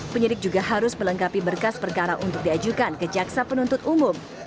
penyidik juga harus melengkapi berkas perkara untuk diajukan ke jaksa penuntut umum